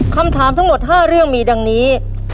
คำถามทั้งหมด๕เรื่องมีดังนี้